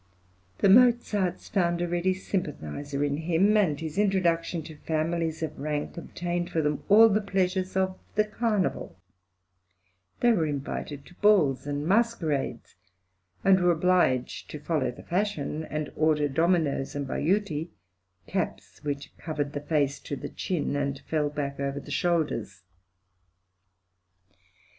The Mozarts found a ready sympathiser in him, and his introduction to families of rank obtained for them all the pleasures of the Carnival; they were invited to balls and masquerades, and were obliged to follow the fashion, and order dominos and bajuti (caps, which covered the face to the chin and fell back over the shoulders).